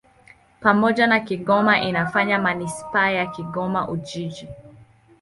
Pamoja na Kigoma inafanya manisipaa ya Kigoma-Ujiji.